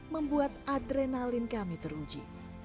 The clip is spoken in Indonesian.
membuat adrenalin kami teruji